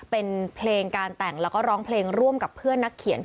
เป็นเพลงการแต่งแล้วก็ร้องเพลงร่วมกับเพื่อนนักเขียน